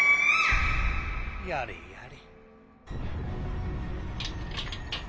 やれやれ